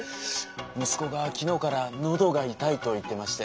息子が昨日から喉が痛いと言ってまして。